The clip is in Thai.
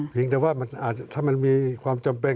เพียงแต่ว่าถ้ามันมีความจำเป็น